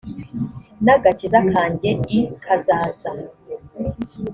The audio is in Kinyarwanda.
n agakiza kanjye i kazaza